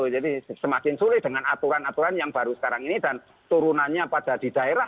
jadi semakin sulit dengan aturan aturan yang baru sekarang ini dan turunannya pada di daerah